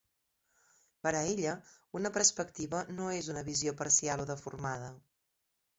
Per a ella, una perspectiva no és una visió parcial o deformada.